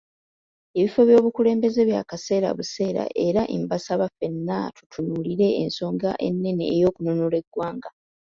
Ebifo by'obukulembeeze bya kaseera buseera era mbasaba ffenna tutunulire ensonga ennene ey'okununula eggwanga.